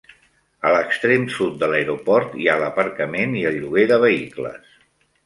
A l'extrem sud de l'aeroport hi ha l'aparcament i el lloguer de vehicles.